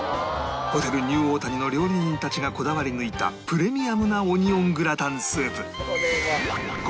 ホテルニューオータニの料理人たちがこだわり抜いたプレミアムなオニオングラタンスープ